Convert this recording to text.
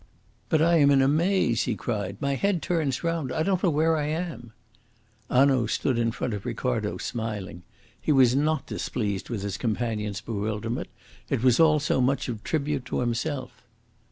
"But I am in a maze," he cried. "My head turns round. I don't know where I am." Hanaud stood in front of Ricardo, smiling. He was not displeased with his companion's bewilderment; it was all so much of tribute to himself.